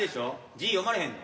字読まれへんの？